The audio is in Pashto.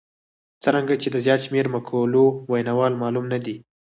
څرنګه چې د زیات شمېر مقولو ویناوال معلوم نه دي.